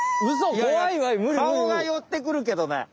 かおがよってくるけどね。